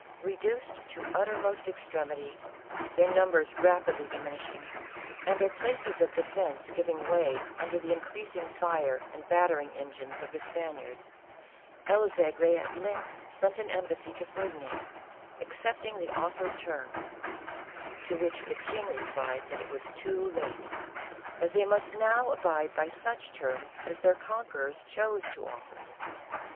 Eeduced to the uttermost extremity, their numbers rapidly dimin ishing, and their places of defence giving way under the increasing fire and battering engines of the Span iards, El Zegri at length sent an embassy to Ferdi nand, accepting the offered terms ; to which the king replied that it was too late, as they must now abide by such terms as their conquerors chose to offer.